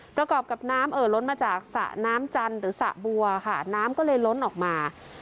ประกอบกับน้ำเอ่อล้นมาจากสระน้ำจันทร์หรือสระบัวค่ะน้ำก็เลยล้นออกมา